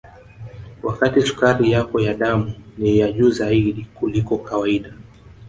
wakati sukari yako ya damu ni ya juu zaidi kuliko kawaida